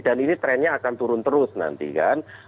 dan ini trennya akan turun terus nanti kan